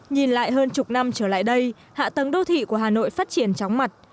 nhìn lại hơn chục năm trở lại đây hạ tầng đô thị của hà nội phát triển chóng mặt